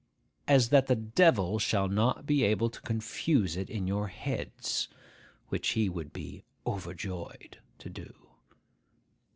as that the Devil shall not be able to confuse it in your heads,—which he would be overjoyed to do.